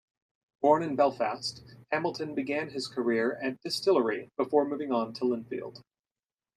Born in Belfast, Hamilton began his career at Distillery, before moving on to Linfield.